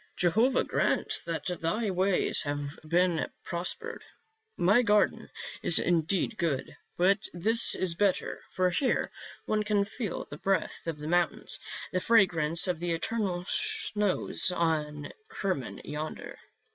"Jehovah grant that thy ways have been prospered. My garden is indeed good, but this is better, for here one can feel the breath of the mountains, the fragrance of the eternal snows on Hermon yonder."